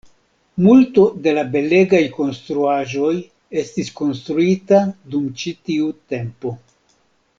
Multo de la belegaj konstruaĵoj estis konstruita dum ĉi tiu tempo.